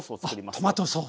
あっトマトソース。